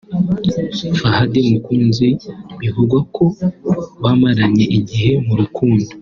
Fahad Mukunzi bivugwa ko bamaranye igihe mu rukundo